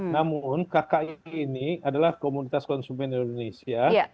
namun kki ini adalah komunitas konsumen indonesia